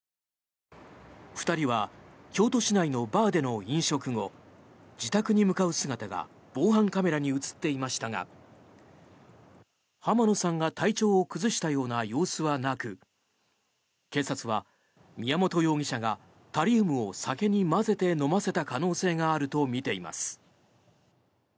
２人は京都市内のバーでの飲食後自宅に向かう姿が防犯カメラに映っていましたが浜野さんが体調を崩したような様子はなく警察は、宮本容疑者がタリウムを酒に混ぜて飲ませた可能性があるとみています。